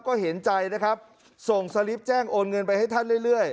ก็เห็นใจนะครับส่งสลิปแจ้งโอนเงินไปให้ท่านเรื่อย